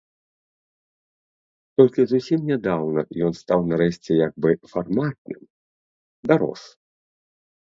Толькі зусім нядаўна ён стаў нарэшце як бы фарматным, дарос.